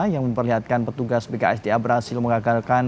yang memperlihatkan petugas bksda berhasil mengagalkan